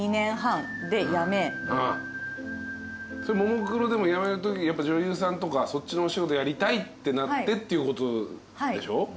ももクロ辞めたとき女優さんとかそっちのお仕事やりたいってなってっていうことでしょ？